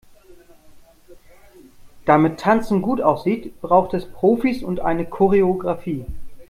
Damit Tanzen gut aussieht, braucht es Profis und eine Choreografie.